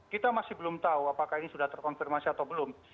kita masih belum tahu apakah ini sudah terkonfirmasi atau belum